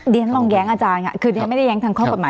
เดี๋ยวฉันลองแย้งอาจารย์ค่ะคือที่ฉันไม่ได้แย้งทางข้อกฎหมาย